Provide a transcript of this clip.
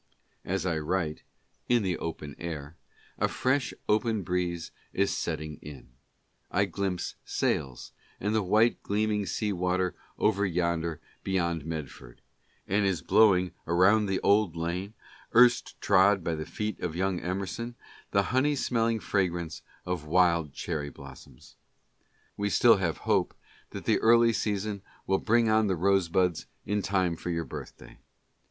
As I write (in the open air) a fresh open breeze is setting in (I glimpse sails and the white gleaming sea water over yonder beyond Medford) and is blowing around the old lane (erst trod by the feet of young Emerson) the honey smelling fragrance of wild cherry blossoms. We still have a hope that the early season will bring on the rosebuds in time for your birthday.